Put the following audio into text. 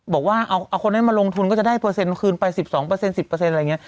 บอกว่าเอาคนนั้นมาลงทุนก็จะได้เปอร์เซ็นคืนไป๑๒๑๐อะไรอย่างนี้